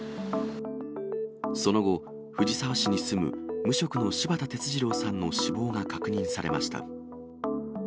その後、藤沢市に住む、無職の柴田哲二郎さんの死亡が確認されました。